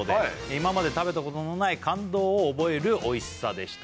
「今まで食べたことのない感動を覚えるおいしさでした」